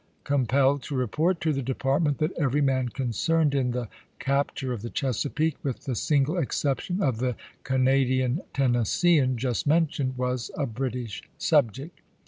compelled to report to the department that every man concerned in the capture of the Chesapeake, with the single exception of the Canadian Tennes seean just mentioned, was a British subject.